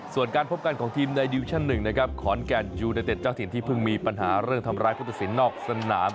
ส่วนการพบกันของทีมในดิวิชั่น๑นะครับขอนแก่นยูเนเต็ดเจ้าถิ่นที่เพิ่งมีปัญหาเรื่องทำร้ายผู้ตัดสินนอกสนาม